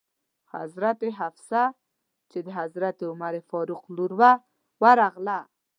حضرت حفصه چې د حضرت عمر فاروق لور وه ورغله.